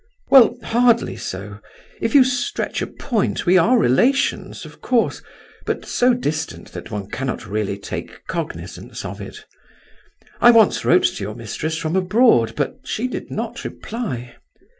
"Well, hardly so. If you stretch a point, we are relations, of course, but so distant that one cannot really take cognizance of it. I once wrote to your mistress from abroad, but she did not reply.